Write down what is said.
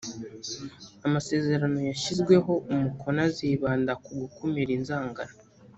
Amasezerano yashyizweho umukono azibanda ku gukumira inzangano